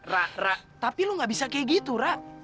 rah rah tapi lo gak bisa kayak gitu rah